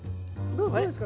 どうですか？